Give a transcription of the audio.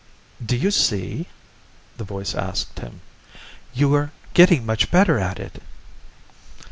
"Do you see?" the voice asked him. "You're getting much better at it."